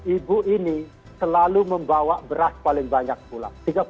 ibu ini selalu membawa beras paling banyak pula